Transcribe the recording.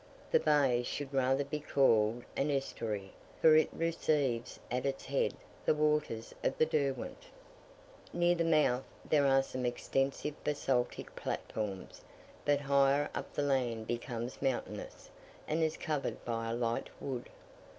The bay should rather be called an estuary, for it receives at its head the waters of the Derwent. Near the mouth, there are some extensive basaltic platforms; but higher up the land becomes mountainous, and is covered by a light wood.